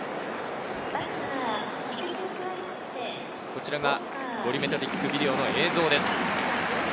こちらがボリュメトリックビデオの映像です。